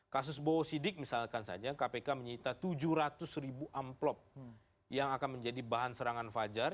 kasus bowo sidik misalkan saja kpk menyita tujuh ratus ribu amplop yang akan menjadi bahan serangan fajar